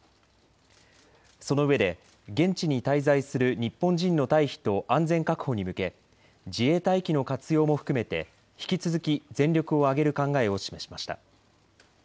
そのうえで現地に滞在する日本人の退避と安全確保に向け自衛隊機の活用も含めて引き続き全力を挙げる考えを示しました。